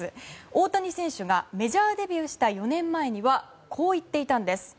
大谷選手がメジャーデビューした４年前にはこう言っていたんです。